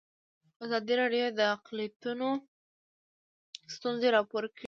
ازادي راډیو د اقلیتونه ستونزې راپور کړي.